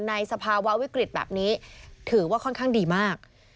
สภาวะวิกฤตแบบนี้ถือว่าค่อนข้างดีมาก